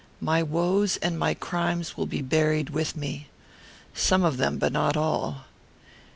My woes and my crimes will be buried with me. Some of them, but not all.